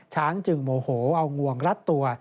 ช้างจึงโมโหเอางวงรัดตัว